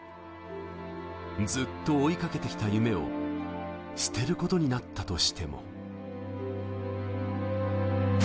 ずっと追いかけてきた夢を捨てることになったとしても。